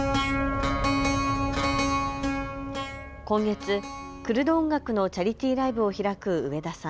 今月、クルド音楽のチャリティーライブを開く上田さん。